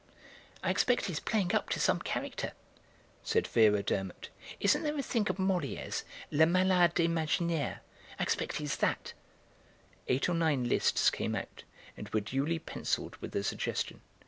"I expect he's playing up to some character," said Vera Durmot; "isn't there a thing of Molière's, 'Le Malade Imaginaire'? I expect he's that." Eight or nine lists came out, and were duly pencilled with the suggestion.